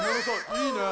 いいね。